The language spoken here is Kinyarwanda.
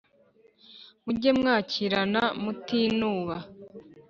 mujye mwakirana mutinuba